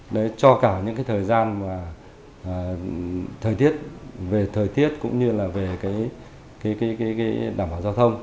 để cho cả những cái thời gian về thời tiết cũng như là về cái đảm bảo giao thông